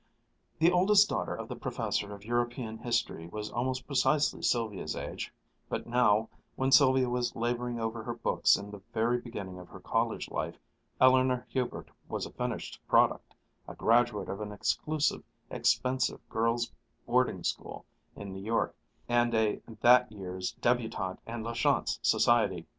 The oldest daughter of the professor of European History was almost precisely Sylvia's age, but now, when Sylvia was laboring over her books in the very beginning of her college life, Eleanor Hubert was a finished product, a graduate of an exclusive, expensive girls' boarding school in New York, and a that year's débutante in La Chance society.